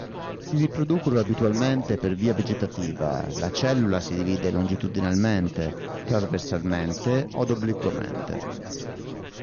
Si riproducono abitualmente per via vegetativa: la cellula si divide longitudinalmente, trasversalmente od obliquamente.